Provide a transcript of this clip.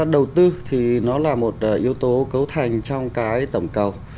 đầu tư thì nó là một yếu tố cấu thành trong cái tổng cầu